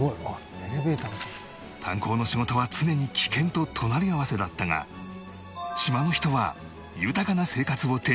炭鉱の仕事は常に危険と隣り合わせだったが島の人は豊かな生活を手に入れた